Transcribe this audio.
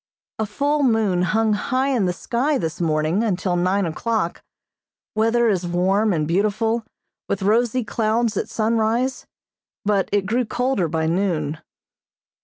A full moon hung high in the sky this morning until nine o'clock. Weather is warm and beautiful, with rosy clouds at sunrise, but it grew colder by noon.